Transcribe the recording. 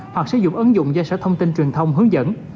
hoặc sử dụng ứng dụng do sở thông tin truyền thông hướng dẫn